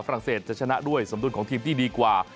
เศสจะชนะด้วยสมดุลของทีมที่ดีกว่า